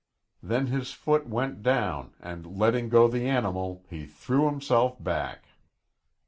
Then his foot went down, and letting go the animal, he threw himself back.